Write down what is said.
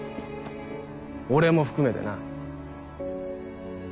俺も含めてな。